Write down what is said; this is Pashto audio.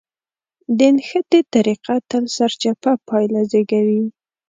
د نښتې طريقه تل سرچپه پايله زېږوي.